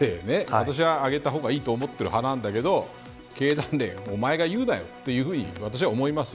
私は上げたほうがいいと思っている側なんだけど経団連、おまえが言うなよと私は思います。